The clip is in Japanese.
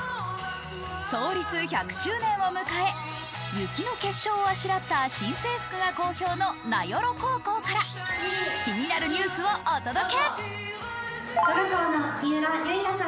創立１００周年を迎え雪の結晶をあしらった新制服が好評の名寄高校から気になるニュースをお届け。